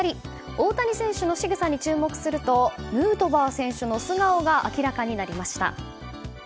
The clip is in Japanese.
大谷選手のしぐさに注目するとヌートバー選手の素顔が明らかになりました。